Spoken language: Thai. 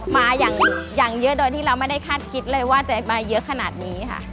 มาอย่างเยอะโดยที่เราไม่ได้คาดคิดเลยว่าจะมาเยอะขนาดนี้ค่ะ